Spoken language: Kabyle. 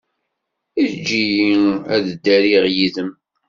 Eǧǧ-iyi ad ddariɣ yid-m.